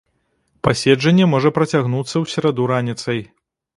Паседжанне можа працягнуцца ў сераду раніцай.